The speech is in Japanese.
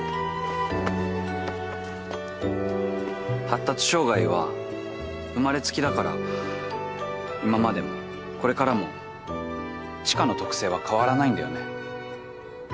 発達障害は生まれつきだから今までもこれからも知花の特性は変わらないんだよね。